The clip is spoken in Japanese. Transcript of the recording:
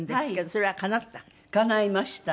それはかなった？